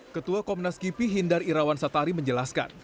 ketua komnas kipi hindar irawan satari menjelaskan